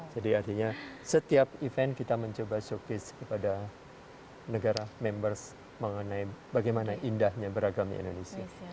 jadi artinya setiap event kita mencoba showcase kepada negara members mengenai bagaimana indahnya beragamnya indonesia